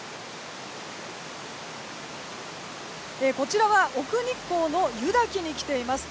こちらは奥日光の湯滝に来ています。